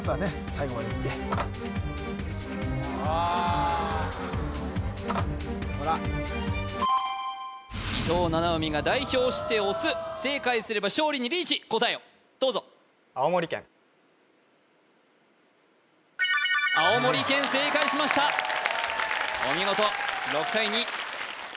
最後まで見て伊藤七海が代表して押す正解すれば勝利にリーチ答えをどうぞ青森県正解しましたお見事６対２